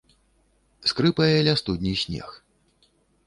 Скрыпае ля студні снег.